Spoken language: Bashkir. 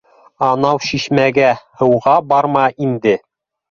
Анау шишмәгә һыуға барма инде